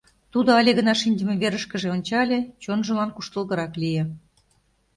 Тудо але гына шинчыме верышкыже ончале — чонжылан куштылгырак лие.